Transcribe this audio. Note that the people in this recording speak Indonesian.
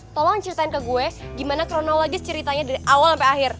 tolong ceritain ke gue gimana kronologis ceritanya dari awal sampai akhir